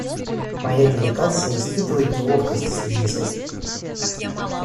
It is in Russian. Моя делегация испытывает неловкость в связи с этим.